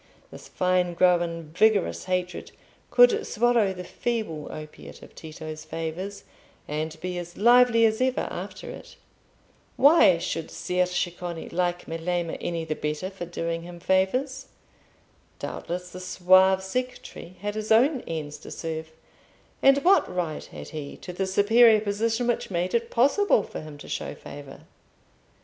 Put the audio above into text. This fine grown vigorous hatred could swallow the feeble opiate of Tito's favours, and be as lively as ever after it. Why should Ser Ceccone like Melema any the better for doing him favours? Doubtless the suave secretary had his own ends to serve; and what right had he to the superior position which made it possible for him to show favour?